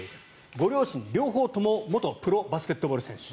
ご両親は両方とも元プロバスケット選手。